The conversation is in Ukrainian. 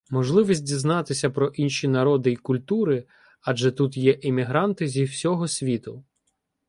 Можливість дізнатися про інші народи й культури — адже тут є іммігранти зі всього світу